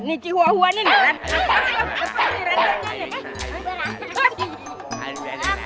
nih cih wahua ini lepas nih rancangnya